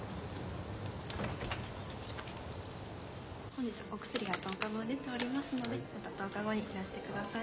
本日お薬が１０日分出ておりますのでまた１０日後にいらしてください。